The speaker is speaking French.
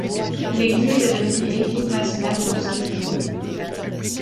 L'église est devenue église nationale des Philippines.